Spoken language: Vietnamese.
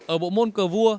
ở bộ môn cờ vua